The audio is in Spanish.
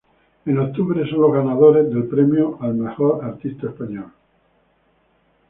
En octubre son los ganadores del premio al Mejor Artista Español.